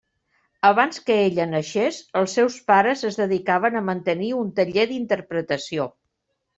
Abans que ella naixés, els seus pares es dedicaven a mantenir un taller d'interpretació.